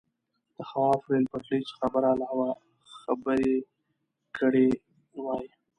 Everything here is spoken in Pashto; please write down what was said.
د خواف ریل پټلۍ څخه برعلاوه خبرې کړې وای.